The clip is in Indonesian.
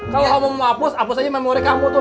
kalo kamu mau apus apus aja memori kamu tuh